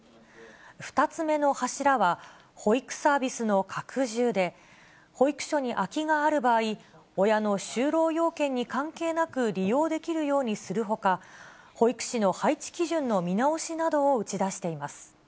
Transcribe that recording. ２つ目の柱は、保育サービスの拡充で、保育所に空きがある場合、親の就労要件に関係なく利用できるようにするほか、保育士の配置基準の見直しなどを打ち出しています。